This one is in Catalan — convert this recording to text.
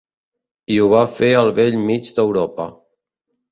I ho va fer al bell mig d'Europa.